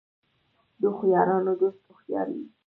د هوښیارانو دوست هوښیار وي .